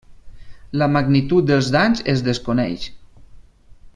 La magnitud dels danys es desconeix.